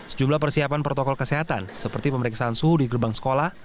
sejumlah persiapan protokol kesehatan seperti pemeriksaan suhu di gerbang sekolah